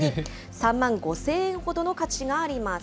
３万５０００円ほどの価値があります。